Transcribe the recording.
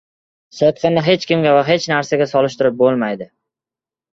Sotqinni hech kimga va hech narsaga solishtirib bo‘lmaydi.